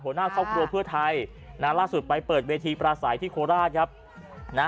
หัวหน้าช่องครัวเพื่อไทยล่าสุดไปเปิดเวทีปลาสายที่โคราช